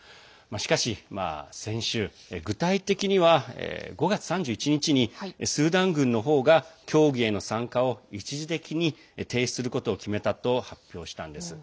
しかし先週、具体的には５月３１日にスーダン軍の方が協議への参加を一時的に停止することを決めたと発表したんです。